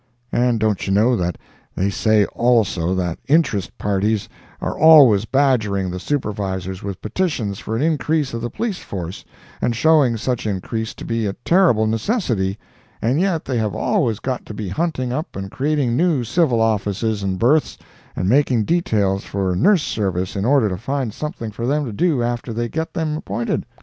And don't you know that they say also that interest parties are always badgering the Supervisors with petitions for an increase of the police force, and showing such increase to be a terrible necessity, and yet they have always got to be hunting up and creating new civil offices and berths, and making details for nurse service in order to find something for them to do after they get them appointed?